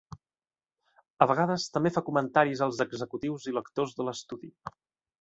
A vegades també fa comentaris als executius i lectors de l'estudi .